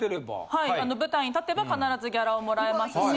はい舞台に立てば必ずギャラは貰えますし。